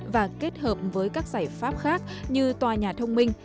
và kết hợp với các giải pháp khác như tòa nhà thông minh